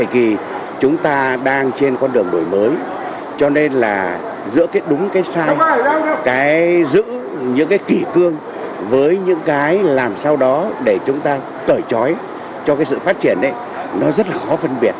giữ những kỳ cương với những cái làm sao đó để chúng ta cởi chói cho sự phát triển nó rất là khó phân biệt